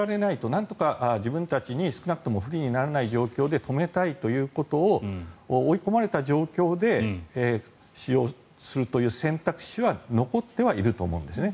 なんとか自分たちに少なくとも不利にならない状況で止めたいということを追い込まれた状況で使用するという選択肢は残ってはいると思うんですね。